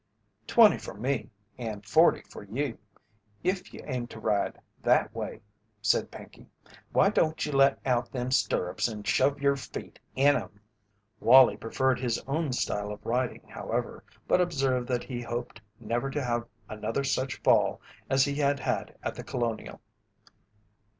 "Twenty for me and forty for you, if you aim to ride that way," said Pinkey. "Why don't you let out them stirrups and shove your feet in 'em?" Wallie preferred his own style of riding, however, but observed that he hoped never to have another such fall as he had had at The Colonial.